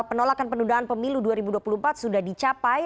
penolakan penundaan pemilu dua ribu dua puluh empat sudah dicapai